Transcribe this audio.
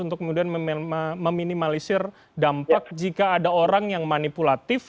untuk kemudian meminimalisir dampak jika ada orang yang manipulatif